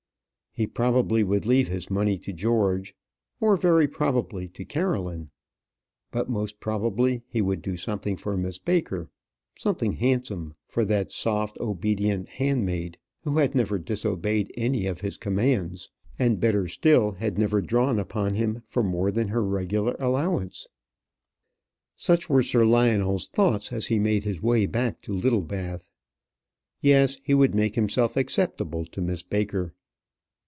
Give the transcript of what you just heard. He probably would leave his money to George or very probably to Caroline; but most probably he would do something for Miss Baker; something handsome for that soft, obedient handmaid who had never disobeyed any of his commands; and, better still, had never drawn upon him for more than her regular allowance. Such were Sir Lionel's thoughts as he made his way back to Littlebath. Yes; he would make himself acceptable to Miss Baker.